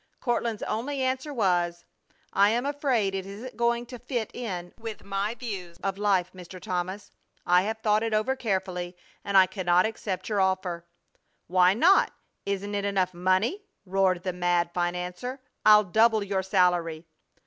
Courtland's only answer was: "I am afraid it isn't going to fit in with my views of life, Mr. Thomas. I have thought it over carefully and I cannot accept your offer." "Why not? Isn't it enough money?" roared the mad financier. "I'll double your salary!"